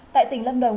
tại tỉnh lâm đồng